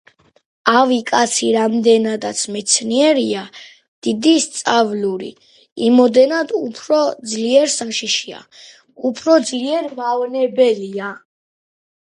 „ავი კაცი რამდენადაც მეცნიერია, დიდი სწავული, იმოდენად უფრო ძლიერ საშიშია, უფრო ძლიერ მავნებელია.“